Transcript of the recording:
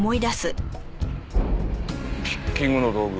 ピッキングの道具。